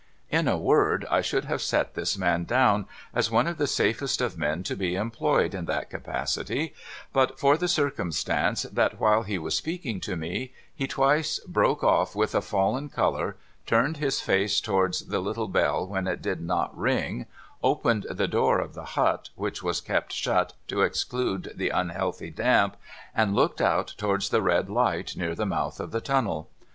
In a word, I should have set this man down as one of the safest of men to be employed in that capacity, but for the circumstance that while he was speaking to me he twice broke oft' with a fallen colour, turned his face towards the little bell when it did not ring, opened the door of the hut (which was kept shut to exclude the unhealthy damp), and looked out towards the red light near the mouth of the tunnel.